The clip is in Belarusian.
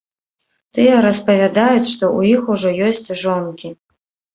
Тыя распавядаюць, што ў іх ўжо ёсць жонкі.